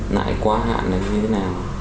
nại qua hạn nó như thế nào